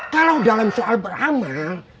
kalau dalam soal beramal